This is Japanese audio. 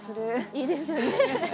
いいですよね。